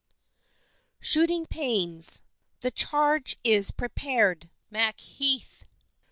SHOOTING PAINS. "The charge is prepar'd." _Macheath.